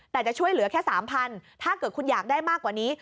แต่จะช่วยเหลือแค่๓๐๐ถ้าเกิดคุณอยากได้มากกว่านี้